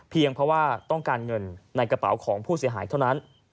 เพราะว่าต้องการเงินในกระเป๋าของผู้เสียหายเท่านั้น